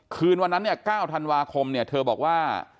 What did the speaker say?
คืนวันนั้นเนี่ย๙ธันวาคมเนี่ยเธอบอกว่า